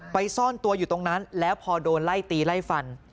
ซ่อนตัวอยู่ตรงนั้นแล้วพอโดนไล่ตีไล่ฟัน